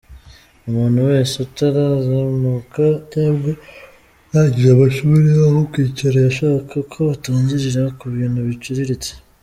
Umuntu wese utarazamuka cyangwa urangije amashuri , aho kwicara, yashaka uko atangirira ku bintu biciriritse.